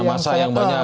punya masa yang banyak